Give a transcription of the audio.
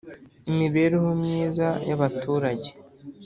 imibereho myiza y, abaturage